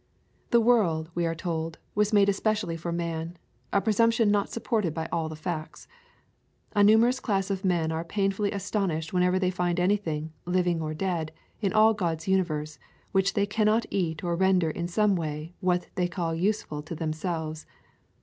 The world, we are told, was made especially for man — a presumption not supported by all the facts. A numerous class of men are pain fully astonished whenever they find anything, living or dead, in all God's universe, which they cannot eat or render in some way what they call useful to themselves.